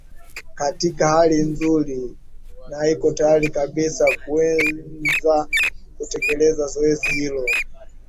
katika hali nzuri na iko tayari kabisa kuwenza kutekeleza zoezi hilo